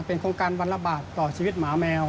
เป็นโครงการวันละบาทต่อชีวิตหมาแมว